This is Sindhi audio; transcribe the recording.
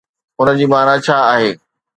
ان جي معنيٰ ڇا آهي؟